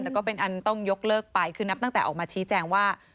แต่ก็เป็นอันต้องยกเลิกไปคือนับตั้งแต่ออกมาชี้แจงว่า